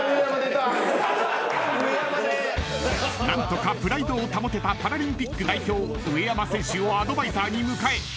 ［何とかプライドを保てたパラリンピック代表上山選手をアドバイザーに迎え］